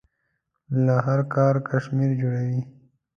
له هر کار کشمیر جوړوي.